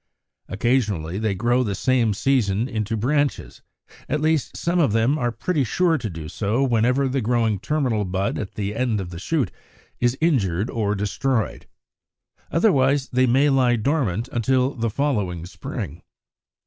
Occasionally they grow the same season into branches; at least, some of them are pretty sure to do so whenever the growing terminal bud at the end of the shoot is injured or destroyed. Otherwise they may lie dormant until the following spring.